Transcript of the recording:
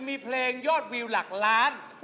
มีเพลงยอดวิวหลักล้าน